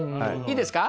いいですか？